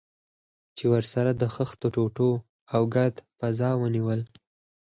چې ورسره د خښتو ټوټو او ګرد فضا ونیول.